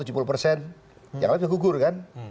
janganlah bisa gugur kan